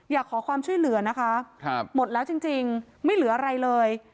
อยากขอความช่วยเหลือนะคะหมดแล้วจริงไม่เหลืออะไรเลย